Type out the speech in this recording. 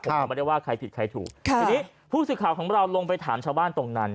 เราไม่ได้ว่าใครผิดใครถูกค่ะทีนี้ผู้สื่อข่าวของเราลงไปถามชาวบ้านตรงนั้น